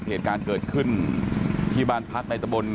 เหตุการณ์เกิดขึ้นที่บ้านพัทรบรรเมยตบน